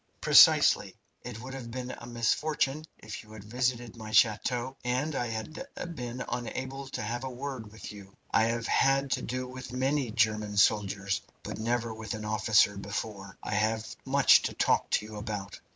"Precisely. It would have been a misfortune if you had visited my chateau and I had been unable to have a word with you. I have had to do with many German soldiers, but never with an officer before. I have much to talk to you about."